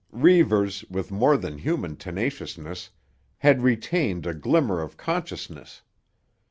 Reivers with more than human tenaciousness had retained a glimmer of consciousness.